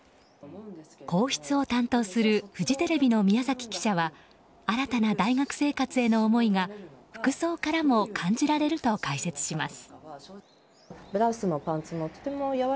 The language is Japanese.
皇室を担当するフジテレビの宮崎記者は新たな大学生活への思いが服装からも感じられると解説します。